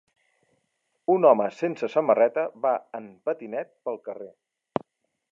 Un home sense samarreta va en patinet pel carrer